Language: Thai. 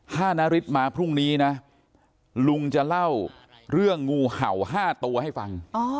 ถ้านาริสมาพรุ่งนี้นะลุงจะเล่าเรื่องงูเห่า๕ตัวให้ฟัง